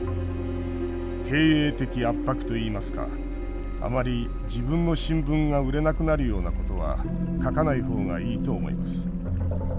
経営的圧迫といいますかあまり自分の新聞が売れなくなるようなことは書かない方がいいと思います。